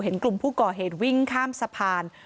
เห็นกลุ่มผู้ก่อเหตุวิ่งข้ามสะพาน